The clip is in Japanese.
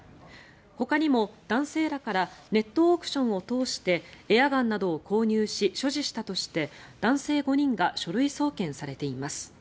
ほかにも男性らからネットオークションを通してエアガンなどを購入し所持したとして男性５人が書類送検されています。